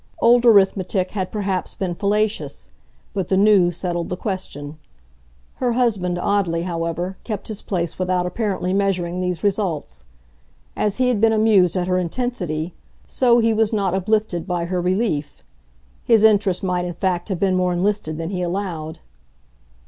Old arithmetic had perhaps been fallacious, but the new settled the question. Her husband, oddly, however, kept his place without apparently measuring these results. As he had been amused at her intensity, so he was not uplifted by her relief; his interest might in fact have been more enlisted than he allowed.